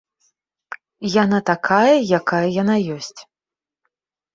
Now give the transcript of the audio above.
Яна такая, якая яна ёсць.